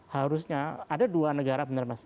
harusnya ada dua negara benar mas